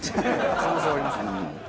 可能性はありますね。